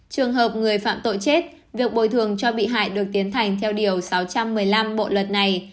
trường hợp người phạm tội chết việc bồi thường cho bị hại được tiến hành theo điều sáu trăm một mươi năm bộ luật này